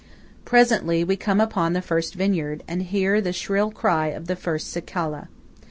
Presently we come upon the first vineyard, and hear the shrill cry of the first cicala.